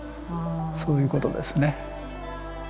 そういうことですね。